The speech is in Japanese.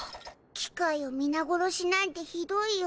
機械を皆殺しなんてひどいよ。